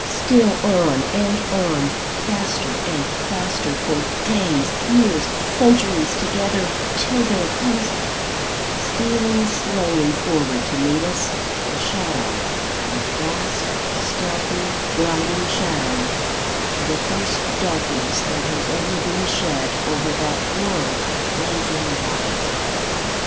Still on and on; faster and faster, for days, years, centuries together, till there comes, stealing slowly forward to meet us, a shadow a vast, stealthy, gliding shadow the first darkness that has ever been shed over that world of blazing light!